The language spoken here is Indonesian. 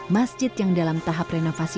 masjid yang dalam tahap renovasi